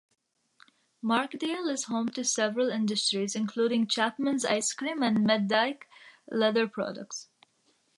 Markdale is home to several industries including Chapman's Ice Cream and Medike Leather Products.